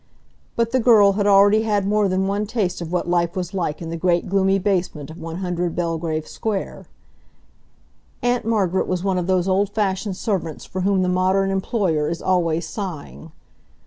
But the girl had already had more than one taste of what life was like in the great gloomy basement of 100 Belgrave Square. Aunt Margaret was one of those old fashioned servants for whom the modern employer is always sighing.